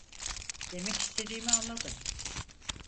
Demek istediğimi anladın.